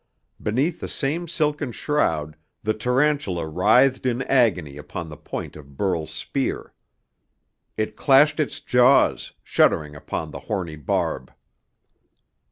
Beneath the same silken shroud the tarantula writhed in agony upon the point of Burl's spear. It clashed its jaws, shuddering upon the horny barb.